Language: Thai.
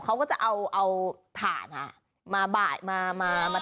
เขาก็จะเอาถ่านมาบ่ายมามา